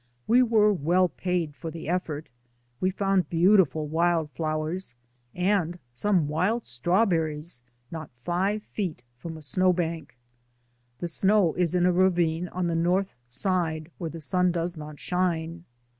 We were well paid for the effort; we found beautiful wild flowers, and some wild strawberries not five feet from a snow bank. The snow is in a ravine on the north side where the sun does not shine.